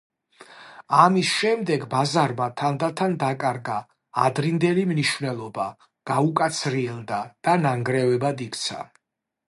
ამის შემდეგ ბაზარმა თანდათან დაკარგა ადრინდელი მნიშვნელობა, გაუკაცრიელდა და ნანგრევებად იქცა.